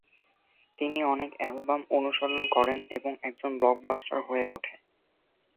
তিনি অনেক অ্যালবাম অনুসরণ করেন এবং একজন ব্লকবাস্টার হয়ে ওঠে।